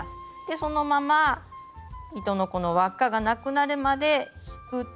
そのまま糸のこの輪っかがなくなるまで引くと。